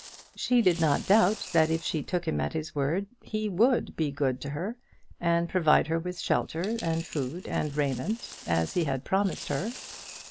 She did not doubt that if she took him at his word he would be good to her, and provide her with shelter, and food and raiment, as he had promised her.